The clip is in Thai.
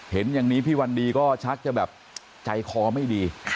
เห็นอย่างนี้พี่วันดีก็ชักจะแบบใจคอไม่ดี